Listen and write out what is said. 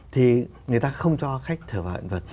thì người ta không cho khách sờ vào